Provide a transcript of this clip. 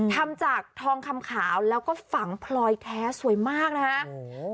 ทำจากทองคำขาวแล้วก็ฝังพลอยแท้สวยมากนะฮะโอ้โห